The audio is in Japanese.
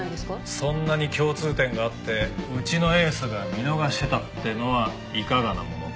そんなに共通点があってうちのエースが見逃してたってのはいかがなものか。